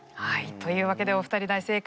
というわけでお二人大正解。